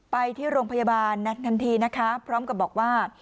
ไปที่โรงพยาบาลทันทีนะคะพร้อมกับบอกว่า